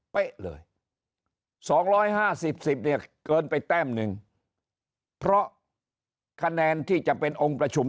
เป๊ะเลย๒๕๐๑๐เนี่ยเกินไปแต้มหนึ่งเพราะคะแนนที่จะเป็นองค์ประชุม